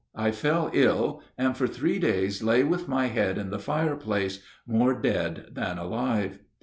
I fell ill, and for three days lay with my head in the fireplace, more dead than alive.